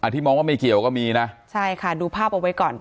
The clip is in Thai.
ที่มองว่าไม่เกี่ยวก็มีนะใช่ค่ะดูภาพเอาไว้ก่อน